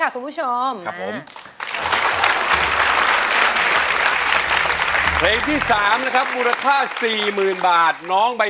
เพื่อนที่สามที่นี่